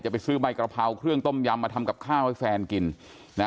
ไปซื้อใบกระเพราเครื่องต้มยำมาทำกับข้าวให้แฟนกินนะ